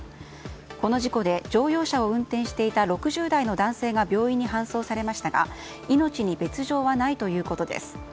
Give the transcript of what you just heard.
この事故で乗用車を運転していた６０代の男性が病院に搬送されましたが命に別条はないということです。